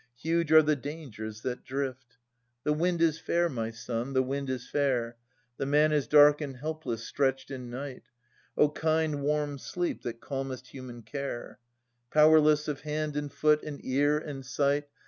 Huge are the dangers that drift. The wind is fair, my son, the wind is fair, The man is dark and helpless, stretched in night. (O kind, warm sleep that calmest human care!) Powerless of hand and foot and ear and sight.